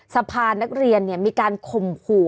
สะพานนักเรียนมีการข่มขู่